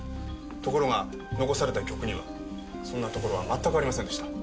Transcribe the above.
ところが残された曲にはそんなところは全くありませんでした。